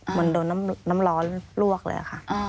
เหมือนโดนน้ำร้อนลวกเลยค่ะ